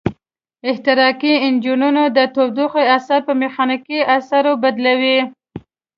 احتراقي انجنونه د تودوخې انرژي په میخانیکي انرژي بدلوي.